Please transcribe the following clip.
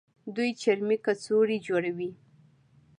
دوی چرمي کڅوړې جوړوي.